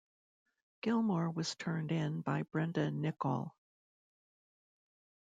Gilmore was turned in by Brenda Nicol.